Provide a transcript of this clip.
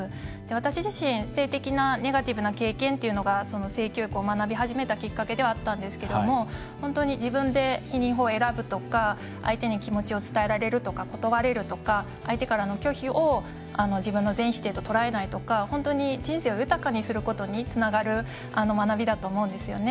私自身、性的なネガティブな経験というのが性教育を学び始めたきっかけではあったんですけども自分で避妊法を選ぶとか相手に気持ちを伝えられるとか断れるとか、相手からの拒否を自分の全否定と捉えないとか本当に人生を豊かにすることにつながる学びだと思うんですよね。